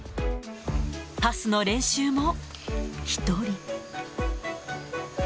パスの練習も１人。